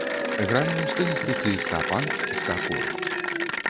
Грае ў стылістыцы ска-панк, ска-кор.